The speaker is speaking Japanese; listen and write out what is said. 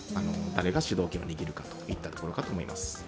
誰が主導権を握るかといったところだと思います。